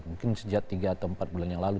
mungkin sejak tiga atau empat bulan yang lalu